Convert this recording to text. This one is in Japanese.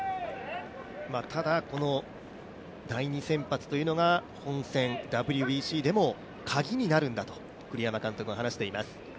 ただ第２先発というのが、本戦、ＷＢＣでもカギになるんだと、栗山監督は話しています。